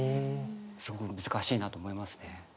すごく難しいなと思いますね。